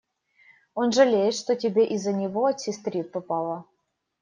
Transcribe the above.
Он жалеет, что тебе из-за него от сестры попало.